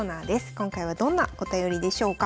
今回はどんなお便りでしょうか。